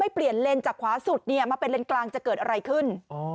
เปลี่ยนเลนจากขวาสุดมาเป็นเลนกลางจะเกิดอะไรขึ้น